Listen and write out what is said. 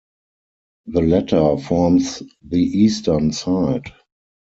The latter forms the eastern side.